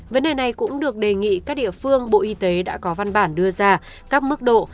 vấn đề này cũng được đề nghị các địa phương bộ y tế đã có văn bản đưa ra các mức độ